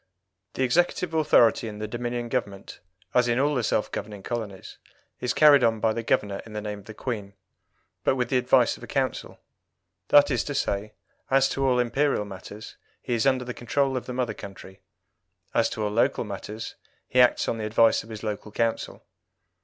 The executive authority in the Dominion Government, as in all the self governing colonies, is carried on by the Governor in the name of the Queen, but with the advice of a Council: that is to say, as to all Imperial matters, he is under the control of the mother country; as to all local matters, he acts on the advice of his local Council.